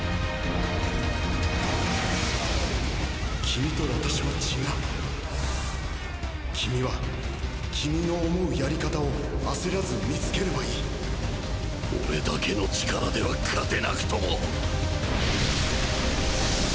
君と私は違う君は君の思うやり方を焦らず見つければいい俺だけの力では勝てなくとも！